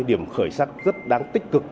và đó là những điểm khởi sát rất đáng tích cực